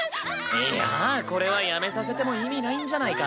いやこれはやめさせても意味ないんじゃないか？